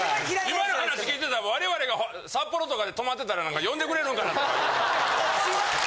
今の話聞いてたら我々が札幌とかで泊まってたら呼んでくれんのかな。